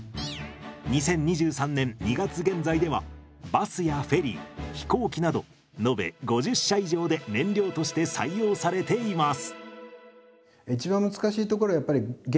２０２３年２月現在ではバスやフェリー飛行機など延べ５０社以上で燃料として採用されています。